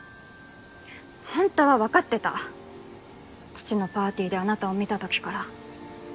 ほんとはわかってた父のパーティーであなたを見たときから。